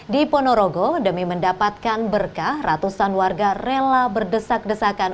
di ponorogo demi mendapatkan berkah ratusan warga rela berdesak desakan